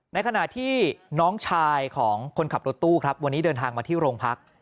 ในขณะที่น้องชายของคนขับรถตู้ครับวันนี้เดินทางมาที่โรงพัก